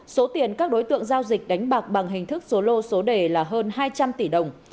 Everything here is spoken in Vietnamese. số tiền các đối tượng giao dịch đánh bạc bằng hình thức số lô số đề là hơn hai trăm linh tỷ đồng